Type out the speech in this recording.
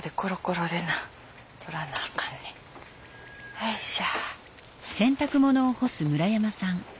よいしょ。